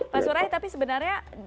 pak surai tapi sebenarnya